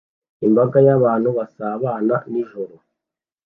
Imbaga y'abantu basabana nijoro